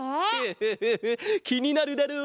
フフフフきになるだろ？